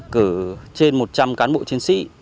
cử trên một trăm linh cán bộ chiến sĩ